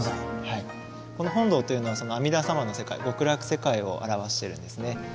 この本堂というのは阿弥陀様の世界極楽世界を表してるんですね。